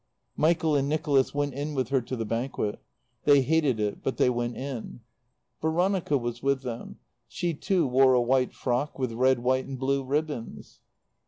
Michael and Nicholas went in with her to the Banquet. They hated it, but they went in. Veronica was with them. She too wore a white frock, with red, white and blue ribbons.